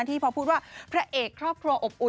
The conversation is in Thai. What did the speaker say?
ที่พอพูดว่าพระเอกครอบครัวอบอุ่น